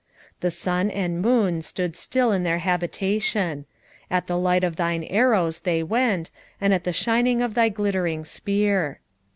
3:11 The sun and moon stood still in their habitation: at the light of thine arrows they went, and at the shining of thy glittering spear.